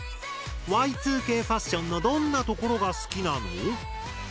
Ｙ２Ｋファッションのどんなところが好きなの？